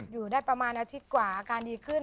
อยู่ได้ประมาณอาทิตย์กว่าอาการดีขึ้น